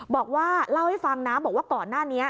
บอกว่าเล่าให้ฟังนะบอกว่าก่อนหน้านี้